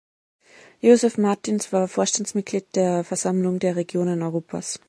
Josef Martinz war Vorstandsmitglied der Versammlung der Regionen Europas.